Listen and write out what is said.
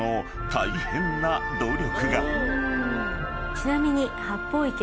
ちなみに。